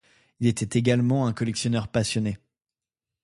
Il était également un collectionneur passionné.